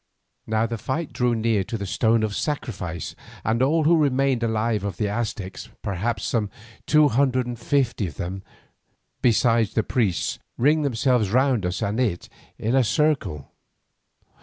Now the fight drew near to the stone of sacrifice, and all who remained alive of the Aztecs, perhaps some two hundred and fifty of them, besides the priests, ringed themselves round us and it in a circle.